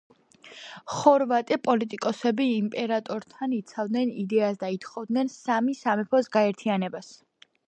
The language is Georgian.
ხორვატი პოლიტიკოსები იმპერატორთან იცავდნენ იდეას და ითხოვდნენ სამი სამეფოს გაერთიანებას.